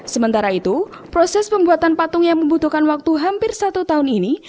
sementara itu proses pembuatan patung yang membutuhkan waktu hampir satu tahun ini